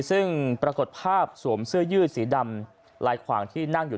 ซึ่งปรากฏภาพสวมเสื้อยืดสีดำลายขวางที่นั่งอยู่